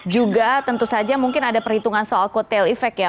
juga tentu saja mungkin ada perhitungan soal kode tail effect ya